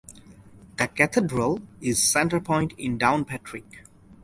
The cathedral is centre point in Downpatrick.